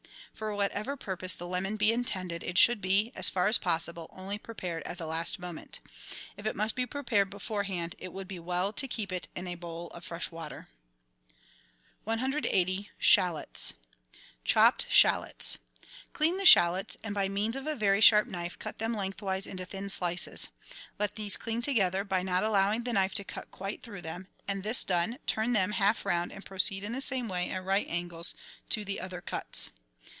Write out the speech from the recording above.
For whatever purpose the lemon be intended, it should be, as far as possible, only prepared at the last moment. If it must be prepared beforehand, it would be well to keep it in a bowl of fresh water. 1 80— SHALLOTS Chopped Shallots. — Clean the shallots, and, by means of a very sharp knife, cut them lengthwise into thin slices ; let these cling together by not allowing the knife to cut quite through them, and, this done, turn them half round and proceed in the same way at right angles to the other cuts.